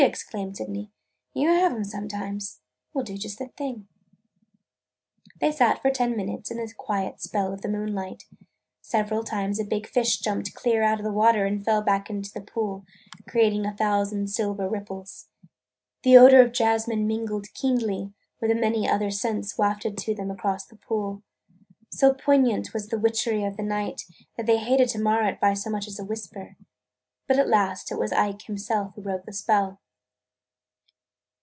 exclaimed Sydney. "You have 'em sometimes! We 'll do just that thing." They sat for ten minutes in the quiet spell of the moonlight. Several times a big fish jumped clear out of the water and fell back into the pool, creating a thousand silver ripples. The odor of jasmine mingled keenly with the many other scents wafted to them across the pool. So poignant was the witchery of the night that they hated to mar it by so much as a whisper. But at last it was Ike himself who broke the spell.